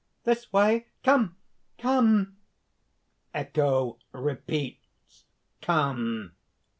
_) "This way! Come! Come!" (_Echo repeats: Come!